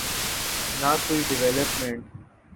نہ کوئی ڈویلپمنٹ۔